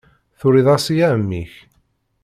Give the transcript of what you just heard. Turiḍ-as i ɛemmi-k?